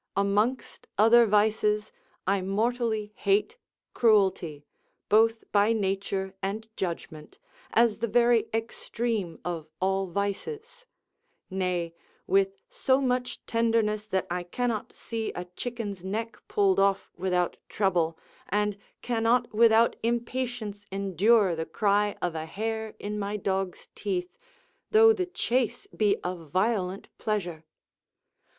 Amongst other vices, I mortally hate cruelty, both by nature and judgment, as the very extreme of all vices: nay, with so much tenderness that I cannot see a chicken's neck pulled off without trouble, and cannot without impatience endure the cry of a hare in my dog's teeth, though the chase be a violent pleasure.